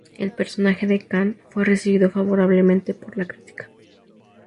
El personaje de Khan fue recibido favorablemente por la crítica.